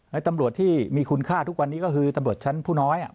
ตำรวจที่มีคุณค่าทุกวันนี้ก็คือตำรวจชั้นผู้น้อย